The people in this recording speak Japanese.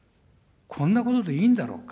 こんなことでいいんだろうか。